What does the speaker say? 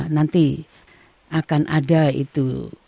nanti akan ada itu